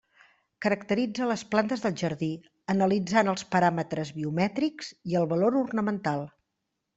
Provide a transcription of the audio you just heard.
Caracteritza les plantes de jardí, analitzant els paràmetres biomètrics i el valor ornamental.